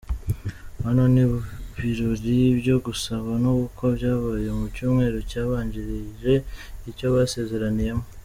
Hano ni mu birori byo gusaba no gukwa byabaye mu cyumweru cyabanjirije icyo basezeraniyemo.